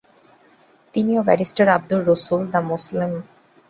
তিনি ও barrister Abdur Rasul the Mussalman প্রকাশ করেন।